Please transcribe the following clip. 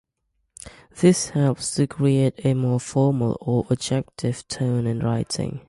This helps to create a more formal or objective tone in writing.